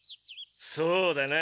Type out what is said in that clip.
そうだな。